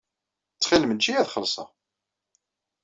Ttxil-m eǧǧ-iyi ad xellṣeɣ.